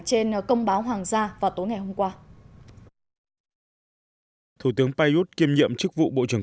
trên công báo hoàng gia vào tối ngày hôm qua thủ tướng prayuth kiêm nhiệm chức vụ bộ trưởng